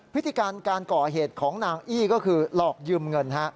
พิธีการการก่อเหตุของนางอี้ก็คือหลอกยืมเงิน